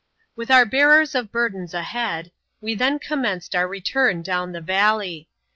With our bearers of burdens ahead, we then commenced our return. down the valley.